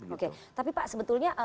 oke tapi pak sebetulnya